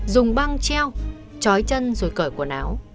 dùng băng treo chói chân rồi cởi quần áo